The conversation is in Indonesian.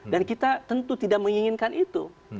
dan kita tentu tidak menginginkan itu